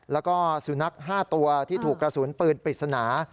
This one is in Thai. แล้วก็สุนัข๕ตัวที่ถูกกระสุนปืนปริศนา